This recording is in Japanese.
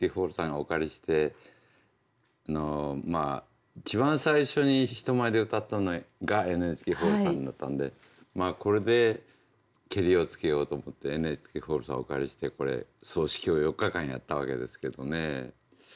お借りしてまあ一番最初に人前で歌ったのがＮＨＫホールさんだったんでまあこれでけりをつけようと思ってＮＨＫホールさんをお借りしてこれ葬式を４日間やったわけですけどね。